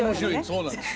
そうなんですよ。